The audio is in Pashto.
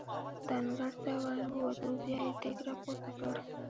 د انګړ ته ور ووتو، بیا یې دېګ را پورته کړ.